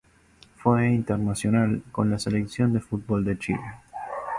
Fue internacional con la selección de fútbol de Chile.